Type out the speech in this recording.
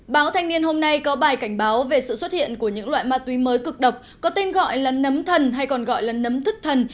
báo thanh niên hôm nay có bài cảnh báo về sự xuất hiện của những loại ma túy mới cực độc có tên gọi là nấm thần hay còn gọi là nấm thức thần